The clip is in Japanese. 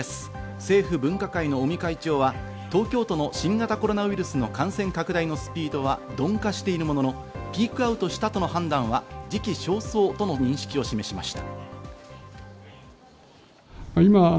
政府分科会の尾身会長は東京都の新型コロナウイルスの感染拡大のスピードは鈍化しているもののピークアウトしたとの判断は時期尚早との認識を示しました。